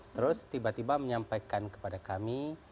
terus tiba tiba menyampaikan kepada kami